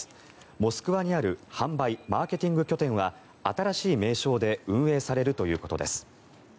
モスクワにある販売・マーケティング拠点は新しい名称で運営されるということです。